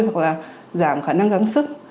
hoặc là giảm khả năng gắn sức